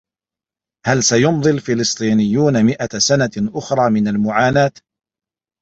هل سيمضي الفلسطينيّون مئة سنة أخرى من المعاناة؟